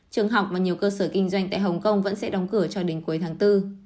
trường học mà nhiều cơ sở kinh doanh tại hồng kông vẫn sẽ đóng cửa cho đến cuối tháng bốn